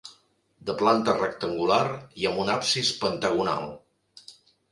De planta rectangular, i amb un absis pentagonal.